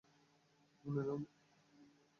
মানে, না।